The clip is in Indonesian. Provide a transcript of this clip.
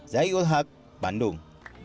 zai ul haq bandung